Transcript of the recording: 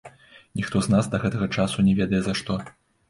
Ніхто з нас да гэтага часу не ведае за што.